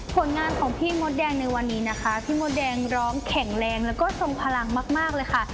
ผลงานของพี่มดแดงในวันนี้นะคะพี่มดแดงร้องแข็งแรงแล้วก็ทรงพลังมากเลยค่ะ